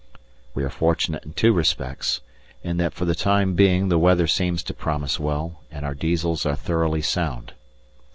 We are fortunate in two respects: in that for the time being the weather seems to promise well, and our Diesels are thoroughly sound.